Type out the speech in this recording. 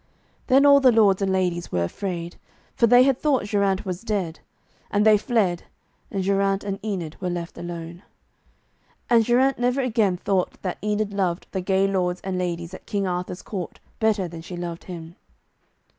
Then all the lords and ladies were afraid, for they had thought Geraint was dead, and they fled, and Geraint and Enid were left alone. And Geraint never again thought that Enid loved the gay lords and ladies at King Arthur's court better than she loved him.